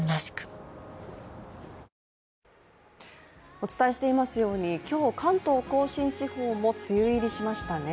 お伝えしていますように今日、関東甲信地方も梅雨入りしましたね。